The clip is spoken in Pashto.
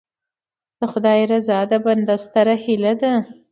د خدای رضا د بنده ستره هیله ده.